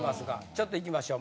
ちょっといきましょう。